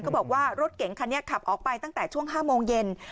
บอกว่ารถเก๋งคันนี้ขับออกไปตั้งแต่ช่วง๕โมงเย็น